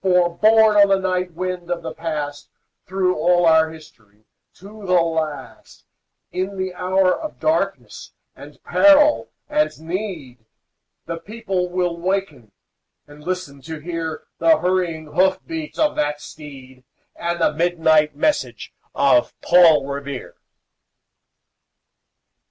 For, borne on the night wind of the Past, Through all our history, to the last, In the hour of darkness and peril and need, The people will waken and listen to hear The hurrying hoof beats of that steed, And the midnight message of Paul Revere.